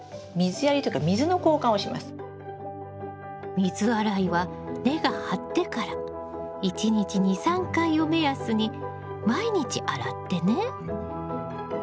水洗いは根が張ってから１日２３回を目安に毎日洗ってね。